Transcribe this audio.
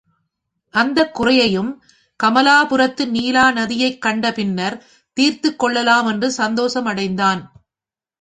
அந்தக் குறையையும், கமலாபுரத்து நீலாநதியைக் கண்டபின்னர் தீர்த்துக் கொள்ளலாம் என்று சந்தோஷமடைந்தான்.